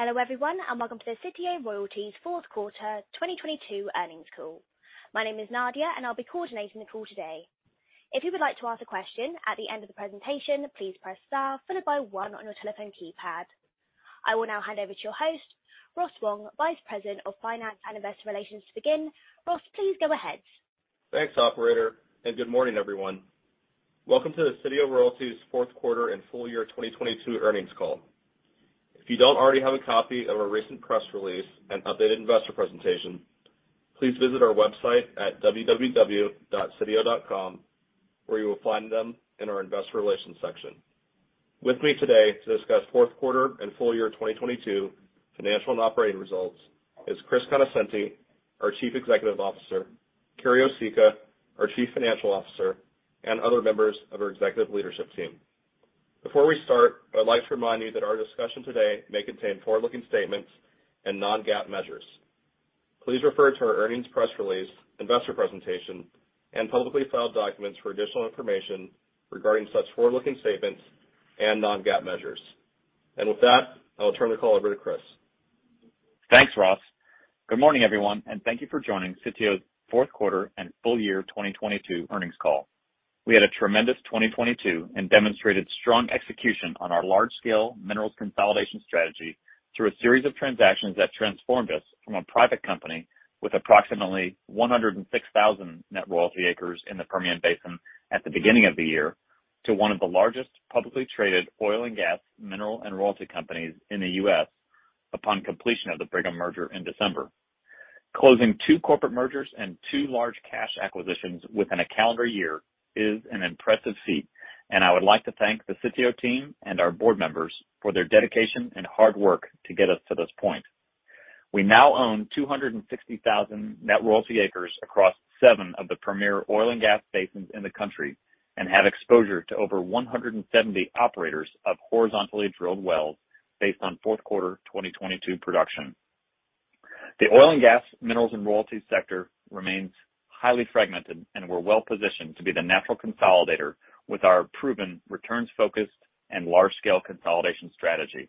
Hello, everyone, welcome to the Sitio Royalties' fourth quarter 2022 earnings call. My name is Nadia. I'll be coordinating the call today. If you would like to ask a question at the end of the presentation, please press star followed by one on your telephone keypad. I will now hand over to your host, Ross Wong, Vice President of Finance and Investor Relations, to begin. Ross, please go ahead. Thanks, operator. Good morning, everyone. Welcome to the Sitio Royalties' 4th quarter and full year 2022 earnings call. If you don't already have a copy of our recent press release and updated investor presentation, please visit our website at www.sitio.com, where you will find them in our investor relations section. With me today to discuss 4th quarter and full year 2022 financial and operating results is Chris Conoscenti, our Chief Executive Officer, Carrie Osicka, our Chief Financial Officer, and other members of our executive leadership team. Before we start, I'd like to remind you that our discussion today may contain forward-looking statements and non-GAAP measures. Please refer to our earnings press release, investor presentation, and publicly filed documents for additional information regarding such forward-looking statements and non-GAAP measures. With that, I will turn the call over to Chris. Thanks, Ross. Good morning, everyone, and thank you for joining Sitio's fourth quarter and full year 2022 earnings call. We had a tremendous 2022 and demonstrated strong execution on our large-scale minerals consolidation strategy through a series of transactions that transformed us from a private company with approximately 106,000 net royalty acres in the Permian Basin at the beginning of the year to one of the largest publicly traded oil and gas, mineral, and royalty companies in the U.S. upon completion of the Brigham merger in December. Closing two corporate mergers and two large cash acquisitions within a calendar year is an impressive feat, and I would like to thank the Sitio team and our board members for their dedication and hard work to get us to this point. We now own 260,000 net royalty acres across seven of the premier oil and gas basins in the country and have exposure to over 170 operators of horizontally drilled wells based on fourth quarter 2022 production. The oil and gas, minerals, and royalty sector remains highly fragmented, and we're well-positioned to be the natural consolidator with our proven returns-focused and large-scale consolidation strategy.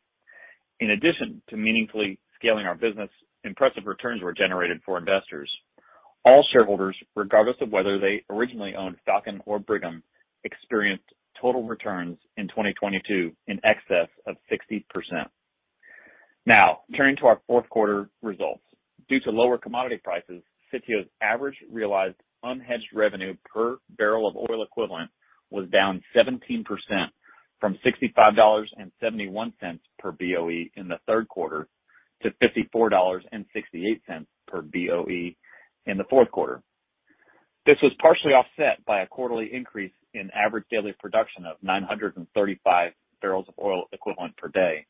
In addition to meaningfully scaling our business, impressive returns were generated for investors. All shareholders, regardless of whether they originally owned Falcon or Brigham, experienced total returns in 2022 in excess of 60%. Turning to our fourth quarter results. Due to lower commodity prices, Sitio's average realized unhedged revenue per barrel of oil equivalent was down 17% from $65.71 per BOE in the third quarter to $54.68 per BOE in the fourth quarter. This was partially offset by a quarterly increase in average daily production of 935 barrels of oil equivalent per day,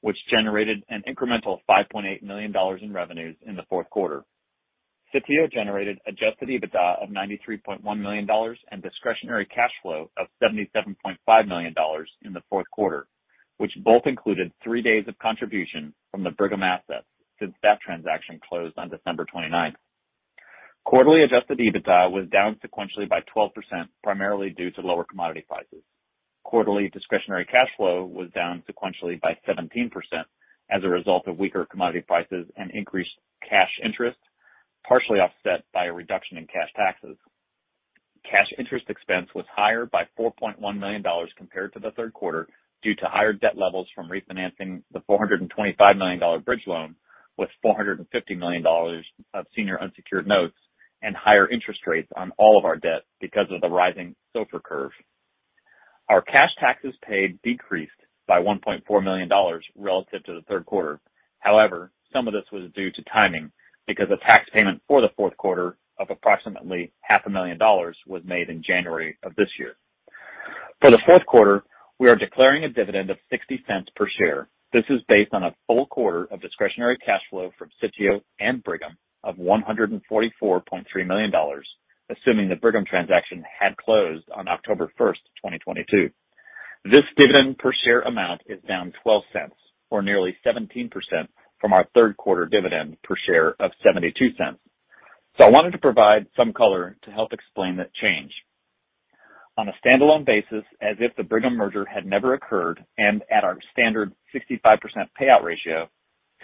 which generated an incremental $5.8 million in revenues in the fourth quarter. Sitio generated adjusted EBITDA of $93.1 million and discretionary cash flow of $77.5 million in the fourth quarter, which both included 3 days of contribution from the Brigham assets since that transaction closed on December 29th. Quarterly adjusted EBITDA was down sequentially by 12%, primarily due to lower commodity prices. Quarterly discretionary cash flow was down sequentially by 17% as a result of weaker commodity prices and increased cash interest, partially offset by a reduction in cash taxes. Cash interest expense was higher by $4.1 million compared to the third quarter due to higher debt levels from refinancing the $425 million bridge loan with $450 million of senior unsecured notes and higher interest rates on all of our debt because of the rising SOFR curve. Our cash taxes paid decreased by $1.4 million relative to the third quarter. However, some of this was due to timing because a tax payment for the fourth quarter of approximately half a million dollars was made in January of this year. For the fourth quarter, we are declaring a dividend of $0.60 per share. This is based on a full quarter of discretionary cash flow from Sitio and Brigham of $144.3 million, assuming the Brigham transaction had closed on October 1st, 2022. This dividend per share amount is down $0.12, or nearly 17% from our third quarter dividend per share of $0.72. I wanted to provide some color to help explain that change. On a standalone basis, as if the Brigham merger had never occurred and at our standard 65% payout ratio,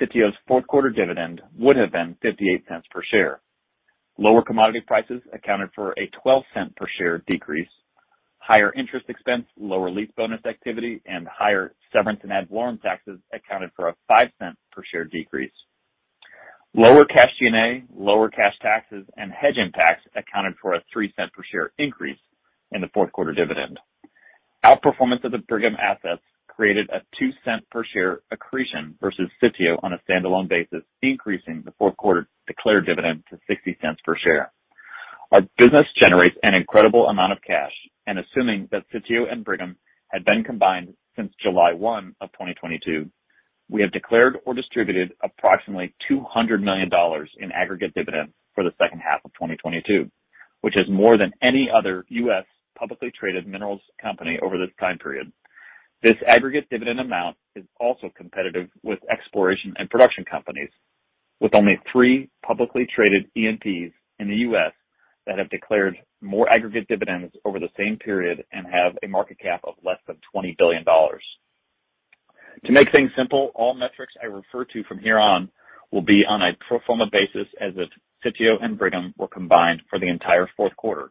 Sitio's fourth quarter dividend would have been $0.58 per share. Lower commodity prices accounted for a $0.12 per share decrease. Higher interest expense, lower lease bonus activity, and higher severance and ad valorem taxes accounted for a $0.05 per share decrease. Lower cash G&A, lower cash taxes, and hedge impacts accounted for a $0.03 per share increase in the fourth quarter dividend. Outperformance of the Brigham assets created a $0.02 per share accretion versus Sitio on a standalone basis, increasing the fourth quarter declared dividend to $0.60 per share. Our business generates an incredible amount of cash, and assuming that Sitio and Brigham had been combined since July 1, 2022, we have declared or distributed approximately $200 million in aggregate dividends for the second half of 2022, which is more than any other U.S. publicly traded minerals company over this time period. This aggregate dividend amount is also competitive with exploration and production companies. With only 3 publicly traded E&Ps in the U.S. that have declared more aggregate dividends over the same period and have a market cap of less than $20 billion. To make things simple, all metrics I refer to from here on will be on a pro forma basis, as if Sitio and Brigham were combined for the entire fourth quarter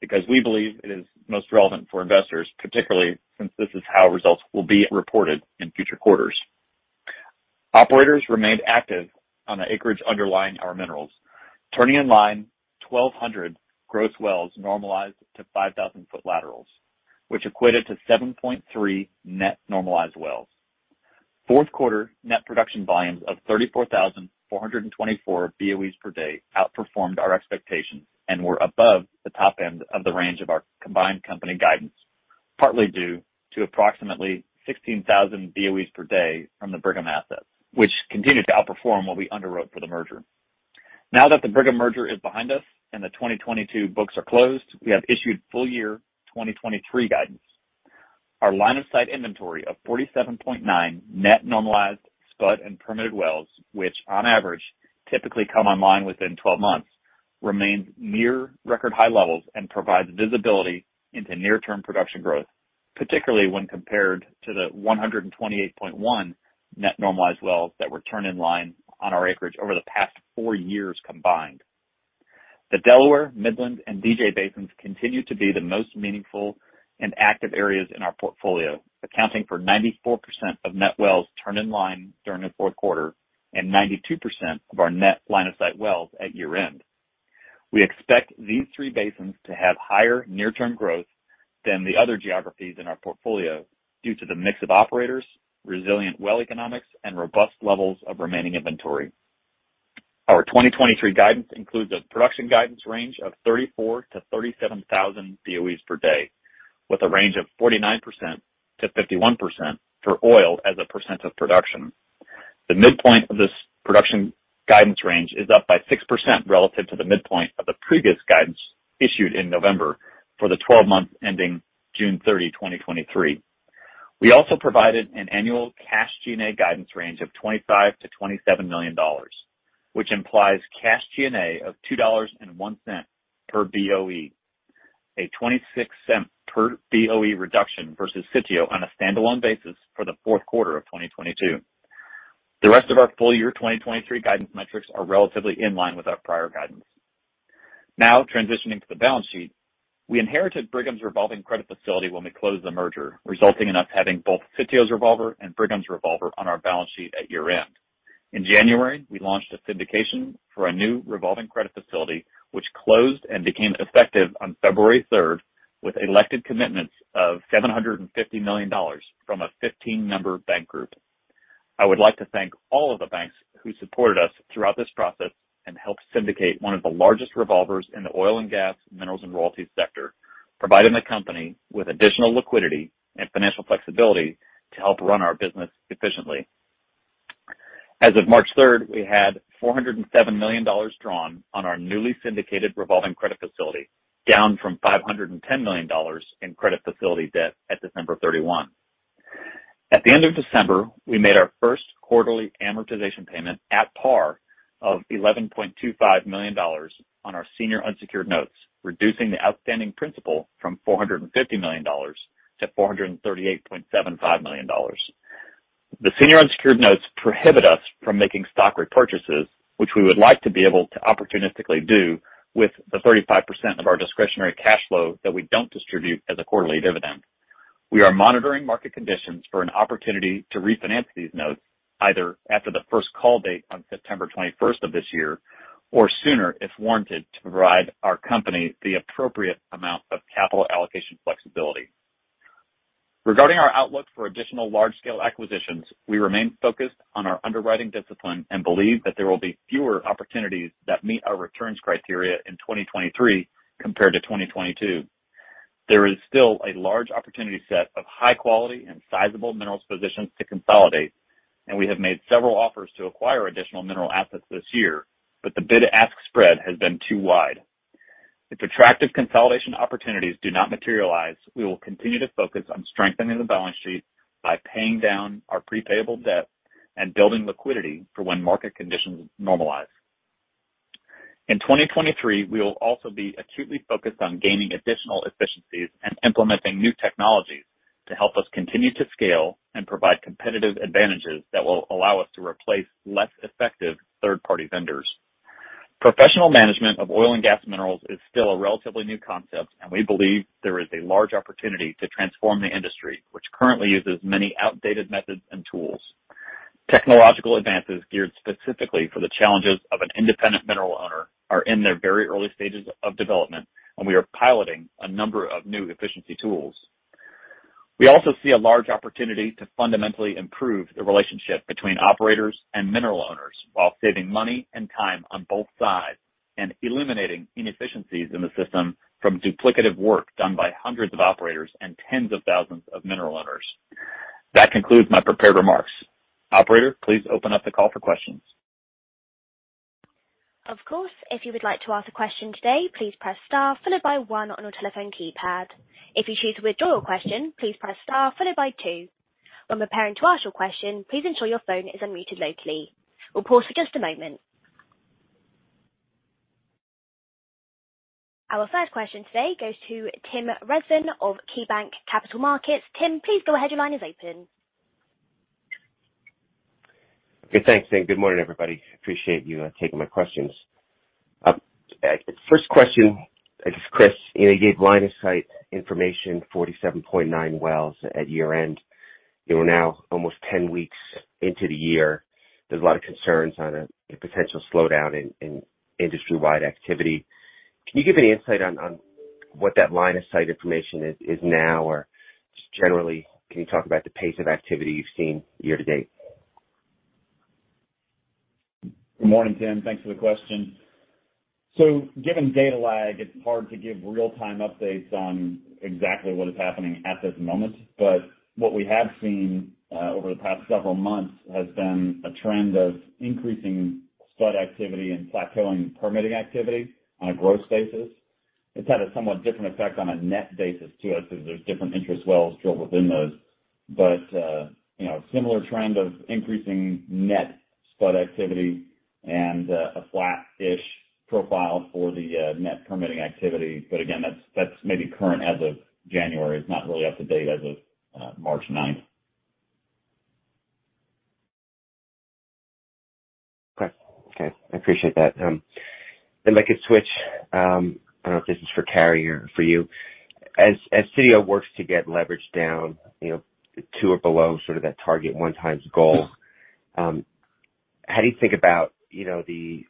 because we believe it is most relevant for investors, particularly since this is how results will be reported in future quarters. Operators remained active on the acreage underlying our minerals, turning in line 1,200 gross wells normalized to 5,000 foot laterals, which equated to 7.3 net normalized wells. Fourth quarter net production volumes of 34,424 BOEs per day outperformed our expectations and were above the top end of the range of our combined company guidance, partly due to approximately 16,000 BOEs per day from the Brigham assets, which continued to outperform what we underwrote for the merger. Now that the Brigham merger is behind us and the 2022 books are closed, we have issued full year 2023 guidance. Our line of sight inventory of 47.9 net normalized spud and permitted wells, which on average typically come online within 12 months, remains near record high levels and provides visibility into near term production growth, particularly when compared to the 128.1 net normalized wells that were turned in line on our acreage over the past four years combined. The Delaware, Midland and DJ basins continue to be the most meaningful and active areas in our portfolio, accounting for 94% of net wells turned in line during the fourth quarter and 92% of our net line of sight wells at year-end. We expect these three basins to have higher near term growth than the other geographies in our portfolio due to the mix of operators, resilient well economics and robust levels of remaining inventory. Our 2023 guidance includes a production guidance range of 34,000-37,000 BOEs per day, with a range of 49%-51% for oil as a percent of production. The midpoint of this production guidance range is up by 6% relative to the midpoint of the previous guidance issued in November for the 12 months ending June 30, 2023. We also provided an annual cash G&A guidance range of $25 million-$27 million, which implies cash G&A of $2.01 per BOE, a $0.26 per BOE reduction versus Sitio on a standalone basis for the fourth quarter of 2022. The rest of our full year 2023 guidance metrics are relatively in line with our prior guidance. Transitioning to the balance sheet. We inherited Brigham's revolving credit facility when we closed the merger, resulting in us having both Sitio's revolver and Brigham's revolver on our balance sheet at year-end. In January, we launched a syndication for a new revolving credit facility, which closed and became effective on February 3rd, with elected commitments of $750 million from a 15-member bank group. I would like to thank all of the banks who supported us throughout this process and helped syndicate one of the largest revolvers in the oil and gas, minerals and royalties sector, providing the company with additional liquidity and financial flexibility to help run our business efficiently. As of March 3rd, we had $407 million drawn on our newly syndicated revolving credit facility, down from $510 million in credit facility debt at December 31. At the end of December, we made our first quarterly amortization payment at par of $11.25 million on our senior unsecured notes, reducing the outstanding principal from $450 million to $438.75 million. The senior unsecured notes prohibit us from making stock repurchases, which we would like to be able to opportunistically do with the 35% of our discretionary cash flow that we don't distribute as a quarterly dividend. We are monitoring market conditions for an opportunity to refinance these notes either after the first call date on September 21st of this year, or sooner, if warranted, to provide our company the appropriate amount of capital allocation flexibility. Regarding our outlook for additional large-scale acquisitions, we remain focused on our underwriting discipline and believe that there will be fewer opportunities that meet our returns criteria in 2023 compared to 2022. There is still a large opportunity set of high quality and sizable minerals positions to consolidate, and we have made several offers to acquire additional mineral assets this year, but the bid-ask spread has been too wide. If attractive consolidation opportunities do not materialize, we will continue to focus on strengthening the balance sheet by paying down our pre-payable debt and building liquidity for when market conditions normalize. In 2023, we will also be acutely focused on gaining additional efficiencies and implementing new technologies to help us continue to scale and provide competitive advantages that will allow us to replace less effective third-party vendors. Professional management of oil and gas minerals is still a relatively new concept. We believe there is a large opportunity to transform the industry which currently uses many outdated methods and tools. Technological advances geared specifically for the challenges of an independent mineral owner are in their very early stages of development. We are piloting a number of new efficiency tools. We also see a large opportunity to fundamentally improve the relationship between operators and mineral owners while saving money and time on both sides and eliminating inefficiencies in the system from duplicative work done by hundreds of operators and tens of thousands of mineral owners. That concludes my prepared remarks. Operator, please open up the call for questions. Of course. If you would like to ask a question today, please press star followed by one on your telephone keypad. If you choose to withdraw your question, please press star followed by two. When preparing to ask your question, please ensure your phone is unmuted locally. We'll pause for just a moment. Our first question today goes to Tim Rezvan of KeyBanc Capital Markets. Tim, please go ahead. Your line is open. Okay, thanks. Good morning, everybody. Appreciate you taking my questions. First question is Chris, you know, you gave line of sight information 47.9 wells at year-end. You are now almost 10 weeks into the year. There's a lot of concerns on a potential slowdown in industry-wide activity. Can you give any insight on what that line of sight information is now? Just generally, can you talk about the pace of activity you've seen year-to-date? Good morning, Tim. Thanks for the question. Given data lag, it's hard to give real time updates on exactly what is happening at this moment. What we have seen over the past several months has been a trend of increasing spud activity and flat drilling permitting activity on a growth basis. It's had a somewhat different effect on a net basis too, as there's different interest wells drilled within those. You know, similar trend of increasing net spud activity and a flat-ish profile for the net permitting activity. Again, that's maybe current as of January. It's not really up to date as of March 9th. Okay. Okay, I appreciate that. If I could switch, I don't know if this is for Carrie or for you. As CEO works to get leverage down, you know, to, or below sort of that target one times goal, how do you think about, you know, the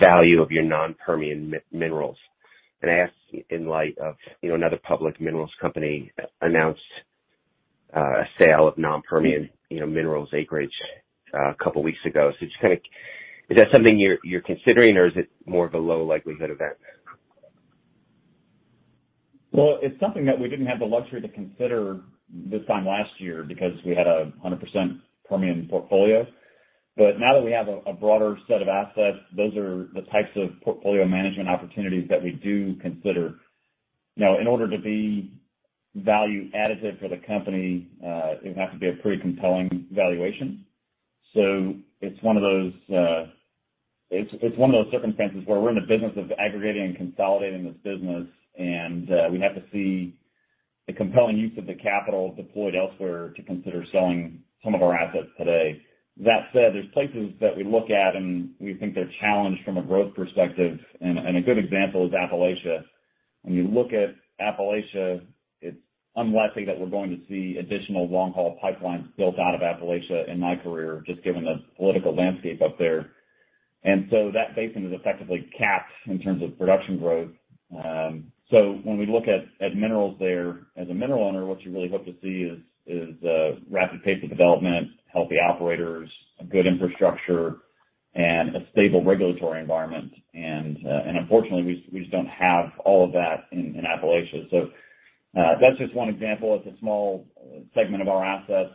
value of your non-Permian minerals? I ask in light of, you know, another public minerals company announced a sale of non-Permian, you know, minerals acreage two weeks ago. Just kind of, is that something you're considering or is it more of a low likelihood event? Well, it's something that we didn't have the luxury to consider this time last year because we had a 100% Permian portfolio. Now that we have a broader set of assets, those are the types of portfolio management opportunities that we do consider. Now, in order to be value additive for the company, it would have to be a pretty compelling valuation. It's one of those circumstances where we're in the business of aggregating and consolidating this business, and we have to see the compelling use of the capital deployed elsewhere to consider selling some of our assets today. That said, there's places that we look at and we think they're challenged from a growth perspective and a good example is Appalachia. When you look at Appalachia, it's unlikely that we're going to see additional long haul pipelines built out of Appalachia in my career, just given the political landscape up there. That basin is effectively capped in terms of production growth. When we look at minerals there, as a mineral owner, what you really hope to see is a rapid pace of development, healthy operators, a good infrastructure and a stable regulatory environment. Unfortunately, we just don't have all of that in Appalachia. That's just one example. It's a small segment of our assets.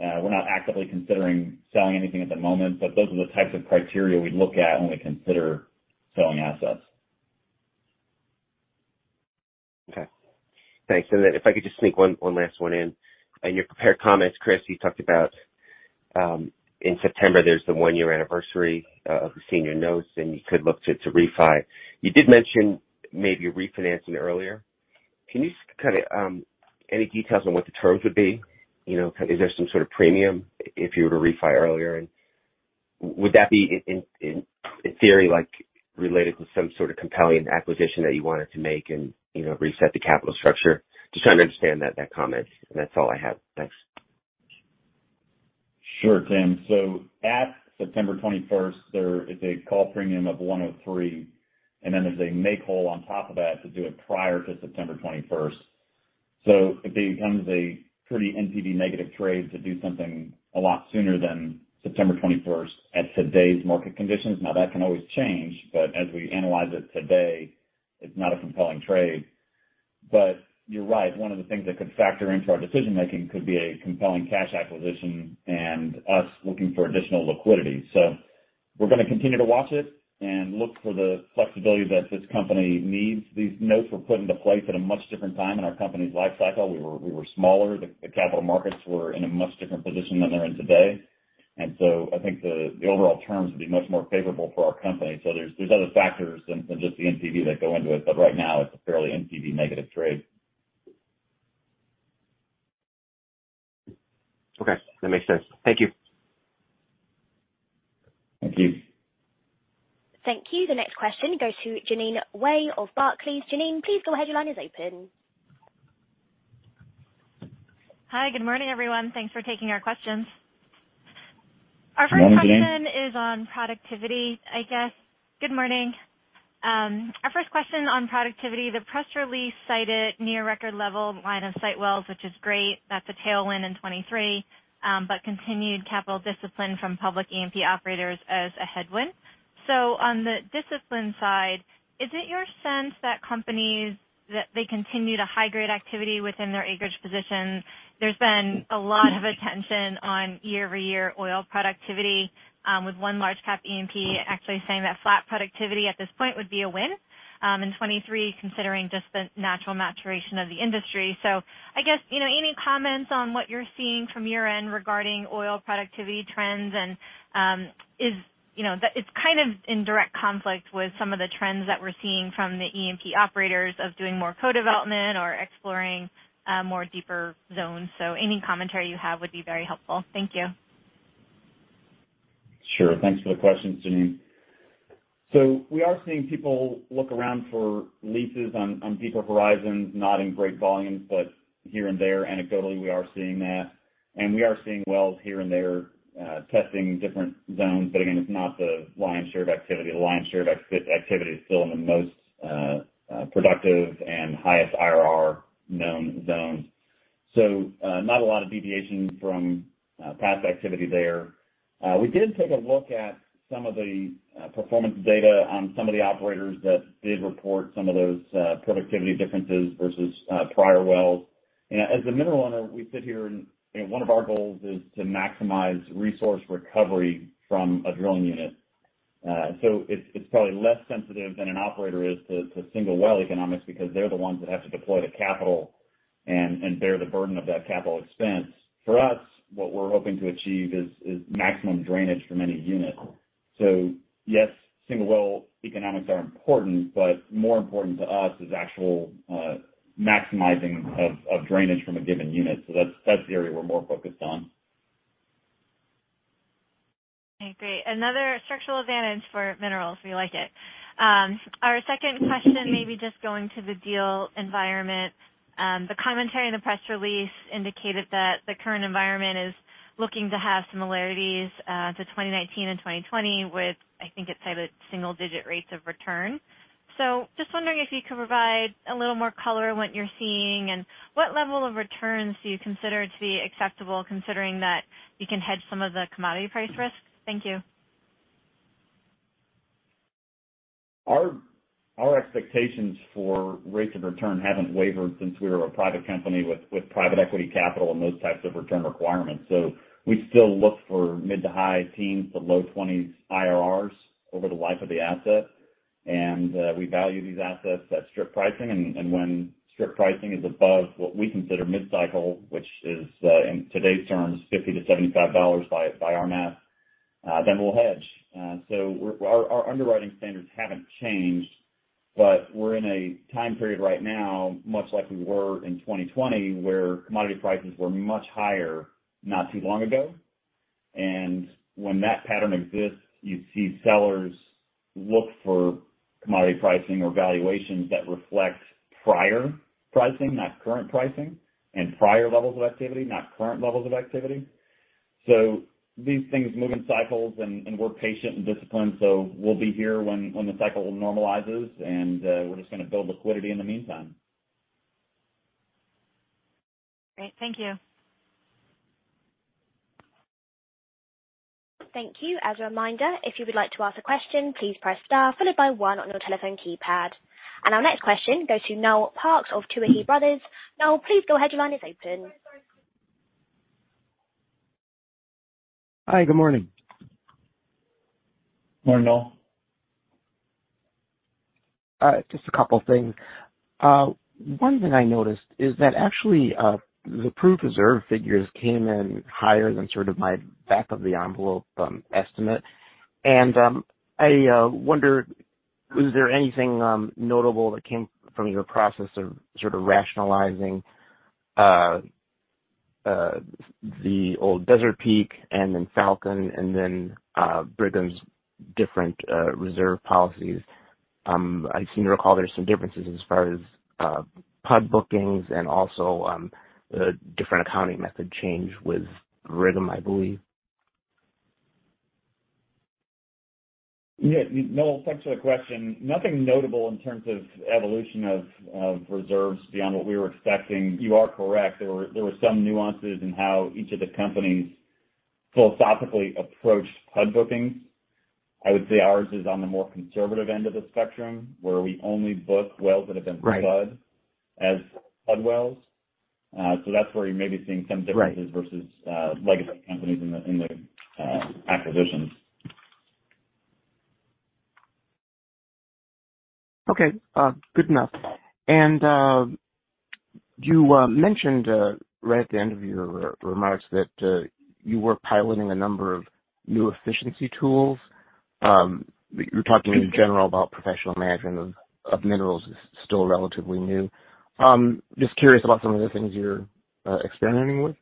We're not actively considering selling anything at the moment, but those are the types of criteria we'd look at when we consider selling assets. Okay, thanks. If I could just sneak one last one in. In your prepared comments, Chris, you talked about in September, there's the one year anniversary of the senior notes, and you could look to refi. You did mention maybe refinancing earlier. Can you just kind of any details on what the terms would be? You know, is there some sort of premium if you were to refi earlier? Would that be in theory, like, related to some sort of compelling acquisition that you wanted to make and, you know, reset the capital structure? Just trying to understand that comment. That's all I have. Thanks. Sure, Tim. At September 21st, there is a call premium of 103, there's a make-whole on top of that to do it prior to September 21st. It becomes a pretty NPV negative trade to do something a lot sooner than September 21st at today's market conditions. That can always change. As we analyze it today, it's not a compelling trade. You're right. One of the things that could factor into our decision making could be a compelling cash acquisition and us looking for additional liquidity. We're gonna continue to watch it and look for the flexibility that this company needs. These notes were put into place at a much different time in our company's life cycle. We were smaller. The capital markets were in a much different position than they're in today. I think the overall terms would be much more favorable for our company. There's other factors than just the NPV that go into it, but right now it's a fairly NPV negative trade. Okay, that makes sense. Thank you. Thank you. Thank you. The next question goes to Jeanine Wai of Barclays. Jeanine, please go ahead. Your line is open. Hi. Good morning, everyone. Thanks for taking our questions. Our first question is on productivity, I guess. Good morning. Our first question on productivity, the press release cited near record level line of sight wells, which is great. That's a tailwind in 23, but continued capital discipline from public E&P operators as a headwind. On the discipline side, is it your sense that companies, that they continue to high-grade activity within their acreage positions? There's been a lot of attention on year-over-year oil productivity, with one large cap E&P actually saying that flat productivity at this point would be a win, in 23, considering just the natural maturation of the industry. I guess, you know, any comments on what you're seeing from your end regarding oil productivity trends, and it's kind of in direct conflict with some of the trends that we're seeing from the E&P operators of doing more co-development or exploring, more deeper zones. Any commentary you have would be very helpful. Thank you. Sure. Thanks for the question, Jeanine. We are seeing people look around for leases on deeper horizons, not in great volumes, but here and there. Anecdotally, we are seeing that. We are seeing wells here and there, testing different zones. Again, it's not the lion's share of activity. The lion's share of activity is still in the most productive and highest IRR known zones. Not a lot of deviation from past activity there. We did take a look at some of the performance data on some of the operators that did report some of those productivity differences versus prior wells. As a mineral owner, we sit here and, you know, one of our goals is to maximize resource recovery from a drilling unit. It's probably less sensitive than an operator is to single well economics because they're the ones that have to deploy the capital and bear the burden of that capital expense. For us, what we're hoping to achieve is maximum drainage from any unit. Yes, single well economics are important, but more important to us is actual maximizing of drainage from a given unit. That's the area we're more focused on. Okay, great. Another structural advantage for minerals. We like it. Our second question, maybe just going to the deal environment. The commentary in the press release indicated that the current environment is looking to have similarities to 2019 and 2020 with, I think it cited single digit rates of return. Just wondering if you could provide a little more color on what you're seeing and what level of returns do you consider to be acceptable considering that you can hedge some of the commodity price risks? Thank you. Our expectations for rates of return haven't wavered since we were a private company with private equity capital and those types of return requirements. So we still look for mid to high teens to low 20s IRRs over the life of the asset. We value these assets at strip pricing. When strip pricing is above what we consider mid-cycle, which is in today's terms, $50-$75 by our math, then we'll hedge. So our underwriting standards haven't changed, but we're in a time period right now, much like we were in 2020, where commodity prices were much higher not too long ago. When that pattern exists, you see sellers look for commodity pricing or valuations that reflect prior pricing, not current pricing, and prior levels of activity, not current levels of activity. These things move in cycles, and we're patient and disciplined. We'll be here when the cycle normalizes. We're just gonna build liquidity in the meantime. Great. Thank you. Thank you. As a reminder, if you would like to ask a question, please press star followed by one on your telephone keypad. Our next question goes to Noel Parks of Tuohy Brothers. Noel, please go ahead. Your line is open. Hi, good morning. Morning, Noel. Just a couple things. One thing I noticed is that actually, the proof reserve figures came in higher than sort of my back of the envelope estimate. I wonder, is there anything notable that came from your process of sort of rationalizing the old Desert Peak and then Falcon and then Brigham's different reserve policies? I seem to recall there's some differences as far as PUD bookings and also a different accounting method change with Brigham, I believe. Yeah. Noel, thanks for the question. Nothing notable in terms of evolution of reserves beyond what we were expecting. You are correct. There were some nuances in how each of the companies philosophically approached PUD bookings. I would say ours is on the more conservative end of the spectrum, where we only book wells that have been. Right. PUD as PUD wells. That's where you may be seeing some differences. Right. Versus, legacy companies in the, in the, acquisitions. Okay. good enough. you mentioned right at the end of your remarks that you were piloting a number of new efficiency tools. you were talking in general about professional management of minerals is still relatively new. just curious about some of the things you're experimenting with?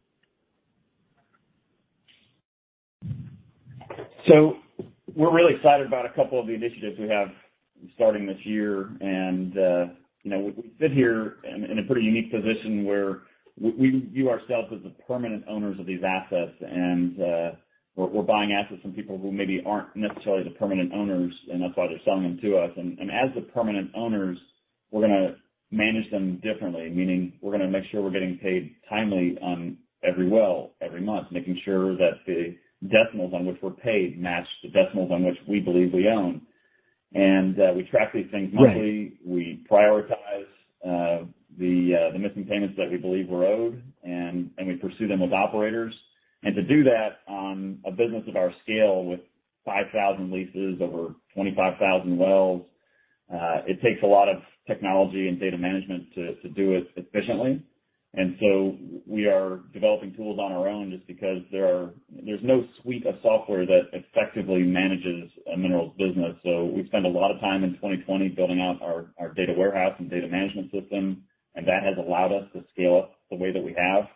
We're really excited about a couple of the initiatives we have starting this year, and, you know, we sit here in a pretty unique position where we view ourselves as the permanent owners of these assets. We're buying assets from people who maybe aren't necessarily the permanent owners, and that's why they're selling them to us. As the permanent owners, we're gonna manage them differently, meaning we're gonna make sure we're getting paid timely on every well, every month, making sure that the decimals on which we're paid match the decimals on which we believe we own. We track these things monthly. Right. We prioritize the missing payments that we believe we're owed, and we pursue them with operators. To do that on a business of our scale with 5,000 leases over 25,000 wells, it takes a lot of technology and data management to do it efficiently. We are developing tools on our own just because there's no suite of software that effectively manages a minerals business. So we've spent a lot of time in 2020 building out our data warehouse and data management system, and that has allowed us to scale up the way that we have.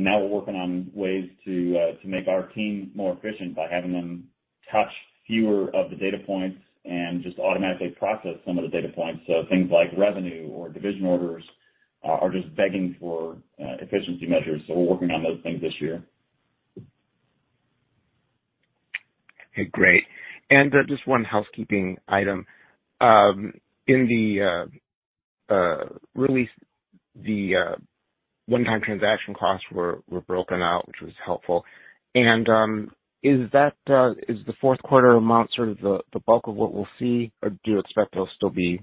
Now we're working on ways to make our team more efficient by having them touch fewer of the data points and just automatically process some of the data points. Things like revenue or division orders are just begging for efficiency measures. We're working on those things this year. Okay, great. Just one housekeeping item. In the release, the one-time transaction costs were broken out, which was helpful. Is that is the fourth quarter amount sort of the bulk of what we'll see, or do you expect there'll still be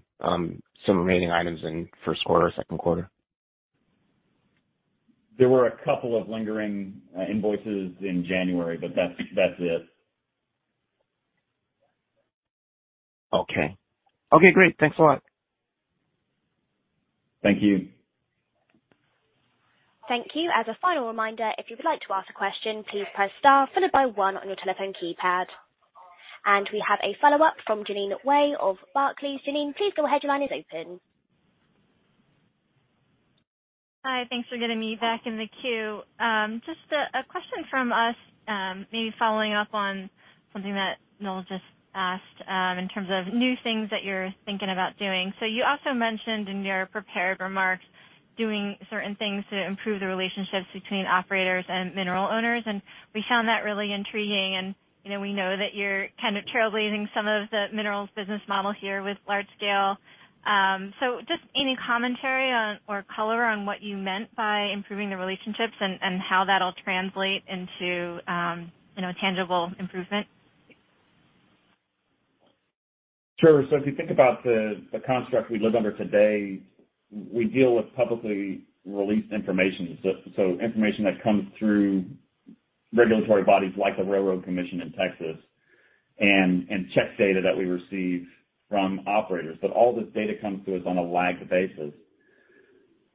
some remaining items in first quarter, second quarter? There were a couple of lingering, invoices in January, but that's it. Okay. Okay, great. Thanks a lot. Thank you. Thank you. As a final reminder, if you would like to ask a question, please press star followed by one on your telephone keypad. We have a follow-up from Jeanine Wai of Barclays. Jeanine, please go ahead. Your line is open. Hi. Thanks for getting me back in the queue. Just a question from us, maybe following up on something that Noel just asked, in terms of new things that you're thinking about doing. You also mentioned in your prepared remarks doing certain things to improve the relationships between operators and mineral owners, and we found that really intriguing. You know, we know that you're kind of trailblazing some of the minerals business model here with large scale. Just any commentary on or color on what you meant by improving the relationships and how that'll translate into, you know, tangible improvement? Sure. If you think about the construct we live under today, we deal with publicly released information. Information that comes through regulatory bodies like the Railroad Commission in Texas and check data that we receive from operators, all this data comes to us on a lagged basis.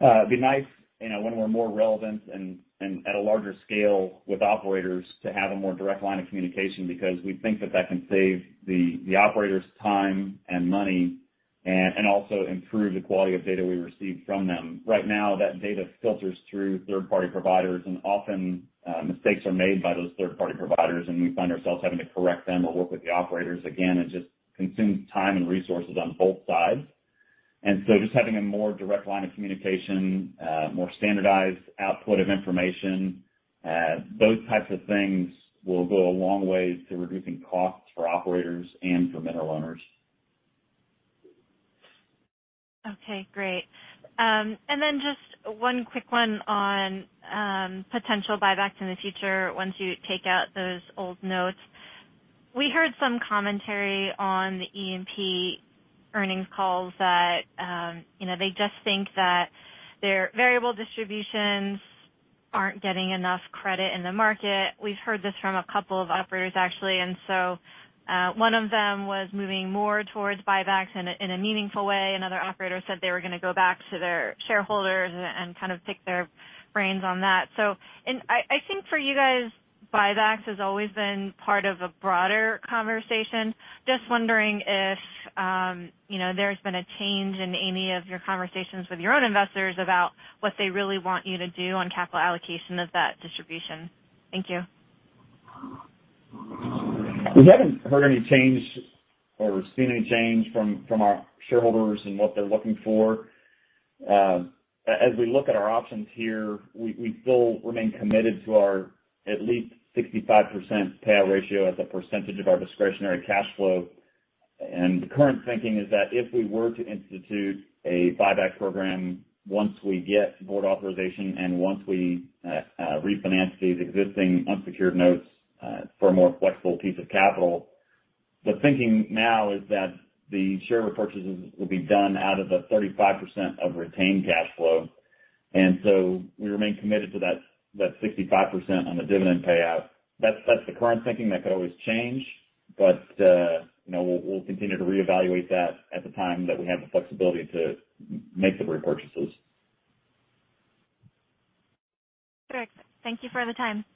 It'd be nice, you know, when we're more relevant and at a larger scale with operators to have a more direct line of communication because we think that can save the operators time and money and also improve the quality of data we receive from them. Right now, that data filters through third-party providers, and often, mistakes are made by those third-party providers, and we find ourselves having to correct them or work with the operators. Again, it just consumes time and resources on both sides. Just having a more direct line of communication, more standardized output of information, those types of things will go a long way to reducing costs for operators and for mineral owners. Okay, great. Just one quick one on potential buybacks in the future once you take out those old notes. We heard some commentary on the E&P earnings calls that, you know, they just think that their variable distributions aren't getting enough credit in the market. We've heard this from a couple of operators, actually. One of them was moving more towards buybacks in a meaningful way. Another operator said they were gonna go back to their shareholders and kind of pick their brains on that. I think for you guys, buybacks has always been part of a broader conversation. Just wondering if, you know, there's been a change in any of your conversations with your own investors about what they really want you to do on capital allocation of that distribution. Thank you. We haven't heard any change or seen any change from our shareholders in what they're looking for. As we look at our options here, we still remain committed to our at least 65% payout ratio as a percentage of our discretionary cash flow. The current thinking is that if we were to institute a buyback program once we get board authorization and once we refinance these existing unsecured notes for a more flexible piece of capital, the thinking now is that the share repurchases will be done out of the 35% of retained cash flow. So we remain committed to that 65% on the dividend payout. That's, that's the current thinking. That could always change. You know, we'll continue to reevaluate that at the time that we have the flexibility to make the repurchases. Great. Thank you for the time. Thank you.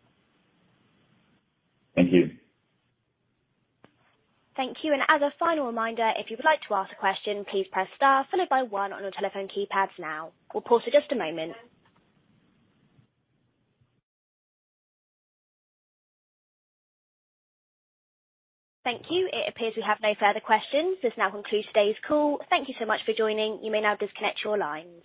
Thank you. As a final reminder, if you would like to ask a question, please press star followed by one on your telephone keypads now. We'll pause for just a moment. Thank you. It appears we have no further questions. This now concludes today's call. Thank you so much for joining. You may now disconnect your lines.